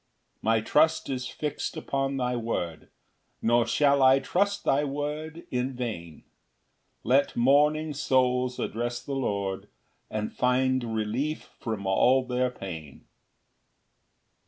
4 My trust is fix'd upon thy word, Nor shall I trust thy word in vain: Let mourning souls address the Lord, And find relief from all their pain.